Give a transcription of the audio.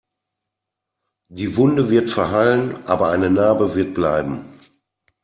Die Wunde wird verheilen, aber eine Narbe wird bleiben.